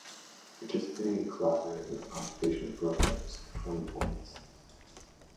Participating and collaborating with occupational programs, twenty points.